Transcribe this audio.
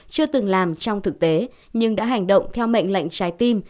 chưa từng làm trong thực tế nhưng đã hành động theo mệnh lệnh trái tim